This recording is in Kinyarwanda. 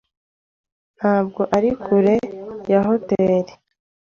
Ntabwo ari kure ya hoteri.